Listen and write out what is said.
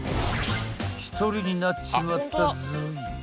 ［１人になっちまったぞい］